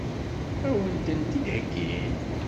Ad wen-tent-id-heggin?